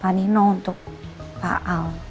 pak nino untuk pak al